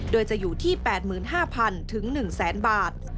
โดยจะอยู่ที่๘๕๐๐๐๑๐๐๐บาท